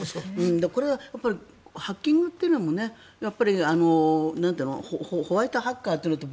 これはハッキングというのもホワイトハッカーというのと